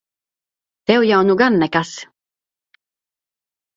Tev jau nu gan nekas!